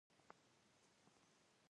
کروندګر د ژمي سختۍ زغمي